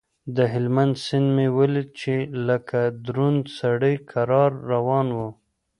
د هلمند سيند مې وليد چې لکه دروند سړى کرار روان و.